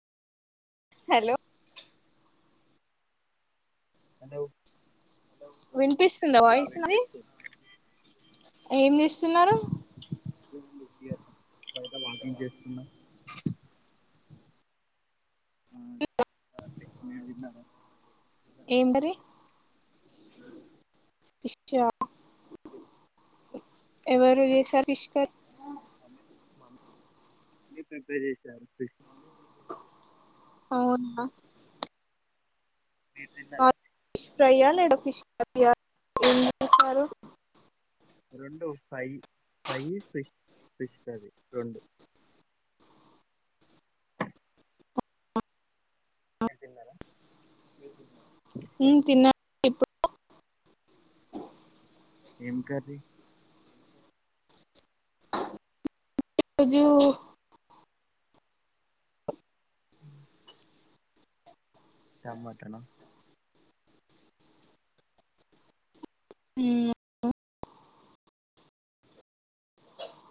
hello hello వినిపిస్తుందా ఆ వయిసుంది వినిపిస్తుంది ఏం చేస్తున్నారు ఎడైతే వాకింగ్ చేసుకున్నా ఇ నళ్లిన్నా ఏంటిరి పి ఎవరు చేస పిష్కర్ అ మీ పెపే చేశారు అవునా మీట్న్నారా ప్రయా లేడ ఫి ఏం చేారు రెం ఫై ఫై్ ఫిష్ ఫిష్ అది రెం మీరు తిన్నారా తిన్న ఇప్పుడు ఏం కారీ జూ అ రామ్మాటనా ఉ